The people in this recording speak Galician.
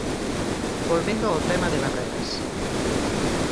Volvendo ao tema de Barreras.